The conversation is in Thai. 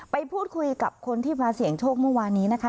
ไปพูดคุยกับคนที่มาเสี่ยงโชคเมื่อวานนี้นะคะ